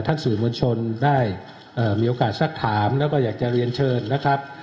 ท่านศูนย์มวลชนได้เอ่อมีโอกาสสักถามแล้วก็อยากจะเรียนเชิญนะครับ